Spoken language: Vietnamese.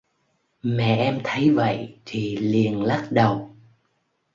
mẹ em thấy vậy thì liền lắc đầu